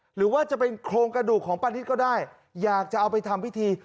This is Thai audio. หรือว่าจะเป็นโครงกระดูกของป้านิตก็ได้อยากจะเอาไปทำพิธี